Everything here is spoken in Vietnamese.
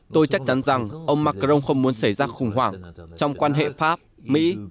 tôi chắc chắn rằng ông macron không muốn xảy ra khủng hoảng trong quan hệ pháp mỹ